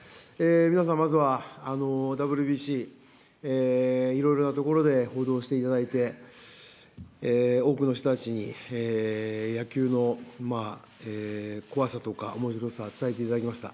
皆さん、まずはＷＢＣ、いろいろなところで報道していただいて、多くの人たちに野球の怖さとかおもしろさ伝えていただきました。